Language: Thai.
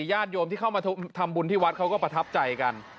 ญาติโยมที่เข้ามาทำบุญที่วัดเขาก็ประทับใจกัน